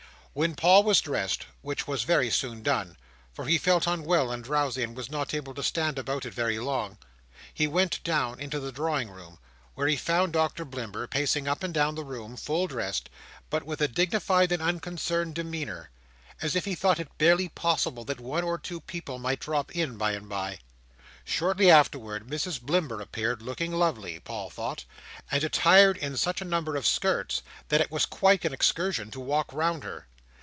When Paul was dressed—which was very soon done, for he felt unwell and drowsy, and was not able to stand about it very long—he went down into the drawing room; where he found Doctor Blimber pacing up and down the room full dressed, but with a dignified and unconcerned demeanour, as if he thought it barely possible that one or two people might drop in by and by. Shortly afterwards, Mrs Blimber appeared, looking lovely, Paul thought; and attired in such a number of skirts that it was quite an excursion to walk round her.